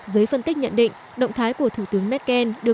giới phân tích nhận định động thái của thủ tướng merkel được